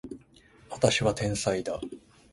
私は天才だ